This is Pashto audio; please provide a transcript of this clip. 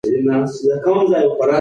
سیاستوال تل د غریبانو غږ نه اوري.